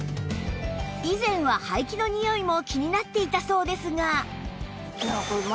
以前は排気のニオイも気になっていたそうですが